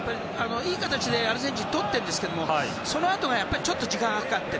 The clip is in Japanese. いい形でアルゼンチンはボールをとっているんですけれどもそのあとがちょっと時間がかかっている。